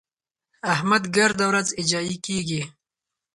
احمد ګرده ورځ اجايي کېږي.